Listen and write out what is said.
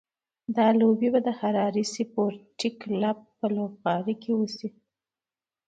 دا لوبې به د هراري سپورټس کلب په لوبغالي کې کېږي.